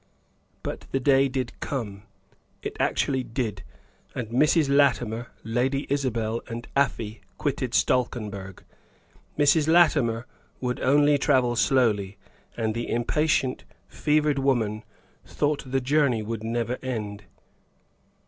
But the day did come it actually did; and Mrs. Latimer, Lady Isabel, and Afy quitted Stalkenberg. Mrs. Latimer would only travel slowly, and the impatient, fevered woman thought the journey would never end.